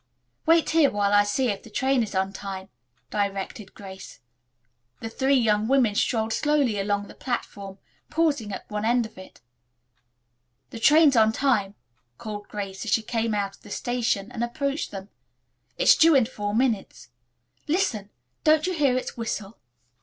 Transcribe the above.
"Wait here while I see if the train is on time," directed Grace. The three young women strolled slowly along the platform, pausing at one end of it. "The train's on time," called Grace as she came out of the station and approached them. "It's due in four minutes. Listen! Didn't you hear it whistle?"